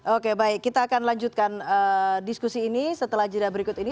oke baik kita akan lanjutkan diskusi ini setelah jeda berikut ini